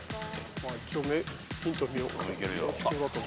一応ヒント見よう。